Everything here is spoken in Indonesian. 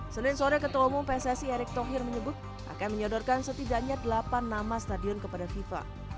senin sore ketua umum pssi erick thohir menyebut akan menyodorkan setidaknya delapan nama stadion kepada fifa